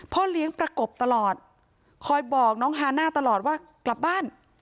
เลี้ยงประกบตลอดคอยบอกน้องฮาน่าตลอดว่ากลับบ้าน